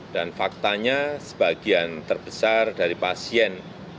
dan faktanya sebagian terbesar dari pasien